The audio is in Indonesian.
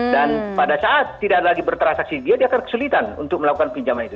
dan pada saat tidak lagi bertransaksi dia dia akan kesulitan untuk melakukan pinjaman itu